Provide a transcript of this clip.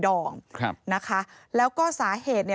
พ่อพูดว่าพ่อพูดว่าพ่อพูดว่า